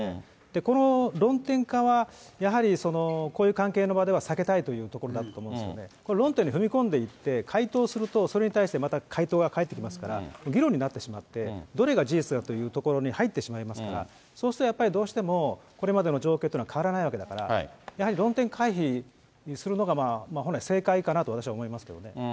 この論点化は、やはり、こういう関係の場では避けたいというところだったと思うんですけど、論点に踏み込んでいって回答すると、それに対してまた回答が返ってきますから、議論になってしまって、どれが事実だというところに入ってしまいますから、そうするとやっぱりどうしても、これまでの状況と変わらないわけだから、やはり論点回避するのが、本来正解かなと、私は思いますけどね。